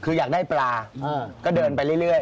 คืออยากได้ปลาก็เดินไปเรื่อย